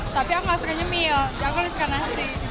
tapi aku gak suka nyemil aku lebih suka nasi